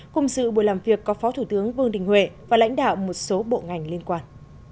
cùng sự buổi làm việc có phó thủ tướng vương đình huệ và lãnh đạo một số bộ ngành liên quan